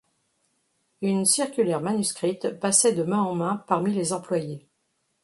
Une circulaire manuscrite passait de main en main parmi les employés.